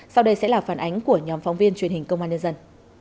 sau đây sẽ là phản ánh của nhóm phóng viên truyền hình công an nhân dân